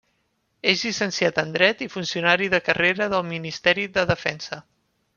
És llicenciat en Dret i funcionari de carrera del Ministeri de Defensa.